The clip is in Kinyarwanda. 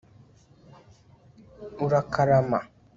urakarama